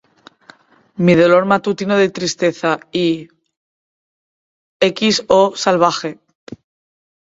Mi dolor matutino de tristeza" y "X. Oh, salvaje".